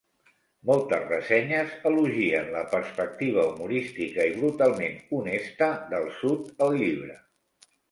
Moltes ressenyes elogien la perspectiva humorística i brutalment honesta del sud al llibre.